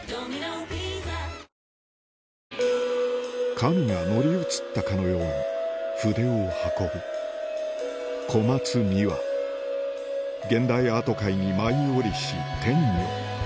神が乗り移ったかのように筆を運ぶ現代アート界に舞い降りし天女